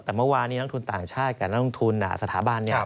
แต่เมื่อวานนี้นักทุนต่างชาติกับนักลงทุนสถาบันเนี่ย